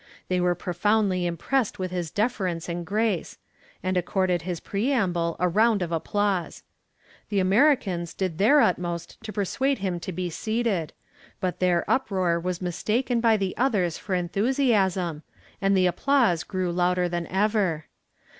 They were profoundly impressed with his deference and grace, and accorded his preamble a round of applause. The Americans did their utmost to persuade him to be seated, but their uproar was mistaken by the others for enthusiasm, and the applause grew louder than ever.